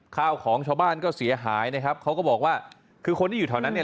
ข้าวของชาวบ้านก็เสียหายนะครับเขาก็บอกว่าคือคนที่อยู่แถวนั้นเนี่ย